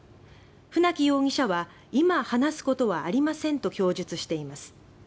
船木容疑者は「今話すことはありません」と供述しています。